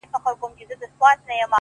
ه شعر كي دي زمـــا اوربــل دی؛